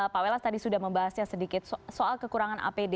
pak welas tadi sudah membahasnya sedikit soal kekurangan apd